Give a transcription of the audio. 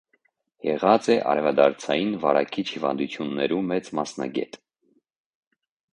Եղած է արեւադարձային վարակիչ հիւանդութիւններու մեծ մասնագէտ։